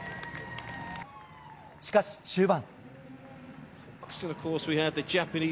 しかし、終盤。